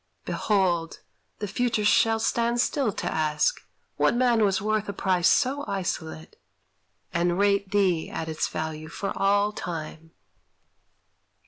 Behold, the future shall stand still to ask, What man was worth a price so isolate? And rate thee at its value for all time.